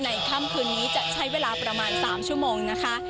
ค่ำคืนนี้จะใช้เวลาประมาณ๓ชั่วโมงนะคะ